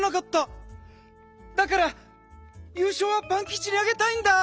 だからゆうしょうはパンキチにあげたいんだ！